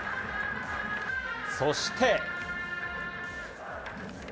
そして。